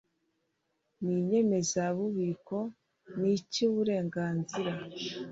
n inyemezabubiko n icy uburenganzira